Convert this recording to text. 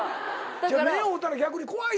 目合うたら逆に怖いやん。